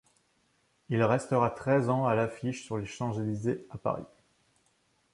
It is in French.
Il restera treize ans à l'affiche sur les Champs-Élysées à Paris.